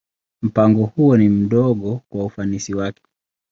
Mpango huo ni mdogo kwa ufanisi wake.